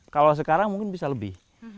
kalau sekarang mungkin bisa lebih